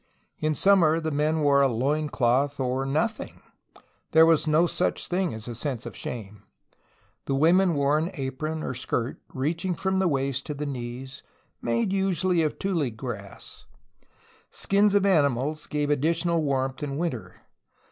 In summer the men wore a loin cloth or nothing; there was no such thing as a sense of shame. The women wore an apron, or skirt, reaching from the waist to the knees, made usually of tule grass. Skins of animals gave additional warmth in winter.